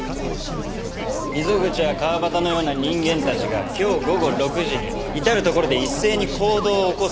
溝口や川端のような人間たちが今日午後６時に至る所で一斉に行動を起こすんですよ。